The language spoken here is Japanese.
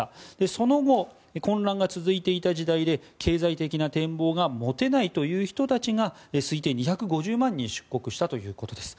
その後、混乱が続いていた時代で経済的な展望が持てないという人たちが推定で２５０万人出国したということです。